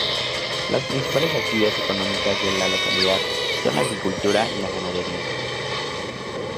Las principales actividades económicas de la localidad son la agricultura y la ganadería.